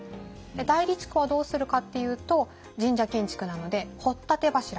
内裏地区はどうするかっていうと神社建築なので掘立柱。